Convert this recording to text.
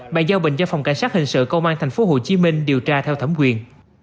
bàn giao bình cho phòng cảnh sát hình sự công an tp hcm điều tra theo thẩm quyền